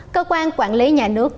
cơ quan quản lý nhà nước